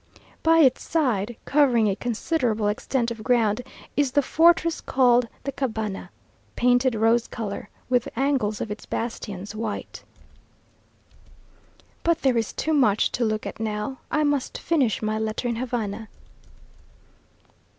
By its side, covering a considerable extent of ground, is the fortress called the Cabana, painted rose colour, with the angles of its bastions white. But there is too much to look at now. I must finish my letter in Havana.